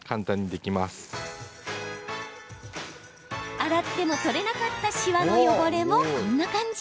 洗っても取れなかったしわの汚れもこんな感じ。